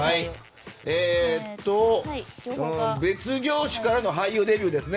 別業種からの俳優デビューですね。